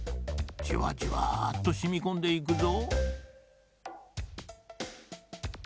じわじわっとしみこんでいくぞ。